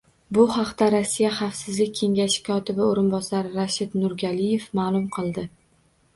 Bu haqda Rossiya Xavfsizlik kengashi kotibi o‘rinbosari Rashid Nurgaliyev ma’lum qildi